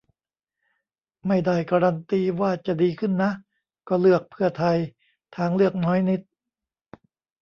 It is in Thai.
ไม่ได้การันตีว่าจะดีขึ้นนะ ก็เลือกเพื่อไทย; ทางเลือกน้อยนิด